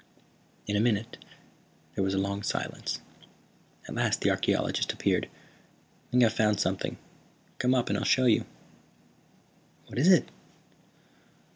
"In a minute." There was a long silence. At last the archeologist appeared. "I think I've found something. Come up and I'll show you." "What is it?"